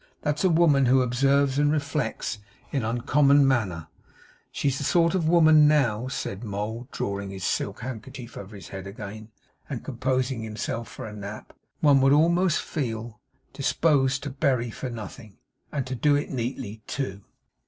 That's a woman who observes and reflects in an uncommon manner. She's the sort of woman now,' said Mould, drawing his silk handkerchief over his head again, and composing himself for a nap 'one would almost feel disposed to bury for nothing; and do it neatly, too!